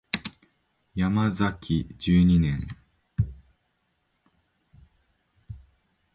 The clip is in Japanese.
ヤマザキ十二年